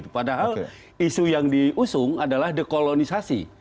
padahal isu yang diusung adalah dekolonisasi